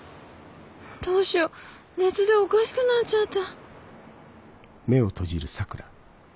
どうしよう熱でおかしくなっちゃった？